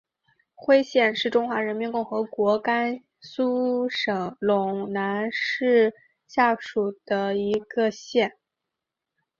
徽县是中华人民共和国甘肃省陇南市下属的一个县。